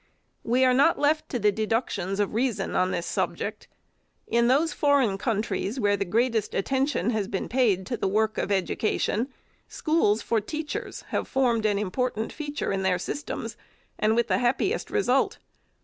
We are not left to the deductions of reason on this sub ject. In those foreign countries, where the greatest at tention has been paid to the work of education, schools for teachers have formed an important feature in their systems, arid with the happiest result.